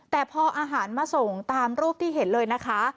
แต่พออาหารมาส่งตามรูปที่เห็นเลยนะคะ